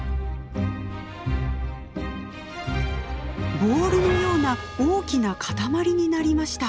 ボールのような大きな固まりになりました。